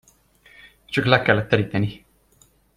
Csak le kellett teríteni.